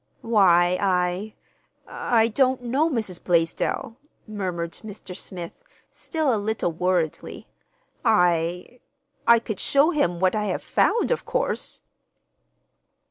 "Why, I—I don't know, Mrs. Blaisdell," murmured Mr. Smith, still a little worriedly. "I—I could show him what I have found, of course."